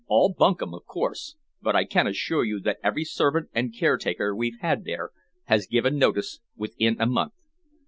All bunkum, of course, but I can assure you that every servant and caretaker we've had there has given notice within a month.